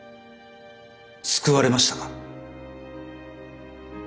救われましたか？